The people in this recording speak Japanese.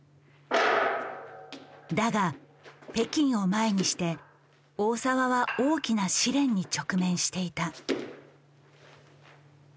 だが北京を前にして大澤は大きな試練に直面していた。